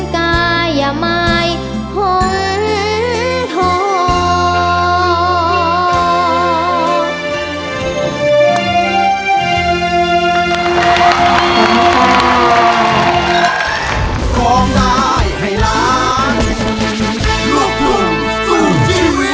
ใกล้ยังไม่ค่อนข้าง